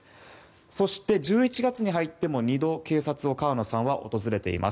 そして、１１月に入っても２度警察を川野さんは訪れています。